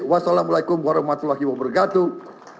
wassalamu'alaikum warahmatullahi wabarakatuh